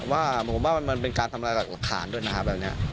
ผมว่ามันเป็นการทำอะไรกับขาดด้วยนะครับแบบนี้